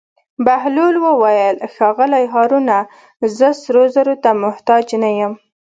بهلول وویل: ښاغلی هارونه زه سرو زرو ته محتاج نه یم.